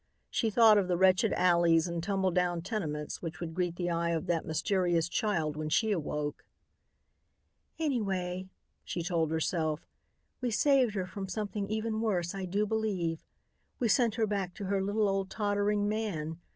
She thought of the wretched alleys and tumble down tenements which would greet the eye of that mysterious child when she awoke. "Anyway," she told herself, "we saved her from something even worse, I do believe. We sent her back to her little old tottering man.